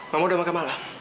mama udah makan malam